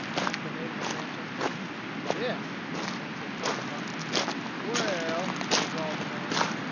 asked the native of Manchester. "Yes," answered Tom bluntly. "Well," drawled the man.